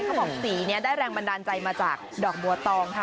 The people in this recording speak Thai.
ชุดนี้ได้แรงบันดาลใจมาจากดอกบัวตองค่ะ